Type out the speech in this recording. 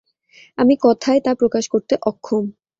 আমি কথায় তা প্রকাশ করতে অক্ষম।